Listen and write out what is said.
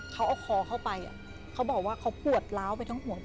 เขาเอาคอเข้าไปเขาบอกว่าเขาปวดล้าวไปทั้งหัว